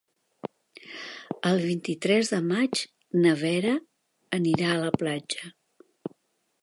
El vint-i-tres de maig na Vera anirà a la platja.